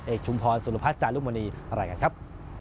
เอกชุมพรสุรพัฒน์จานลูกมณีภาระกันครับ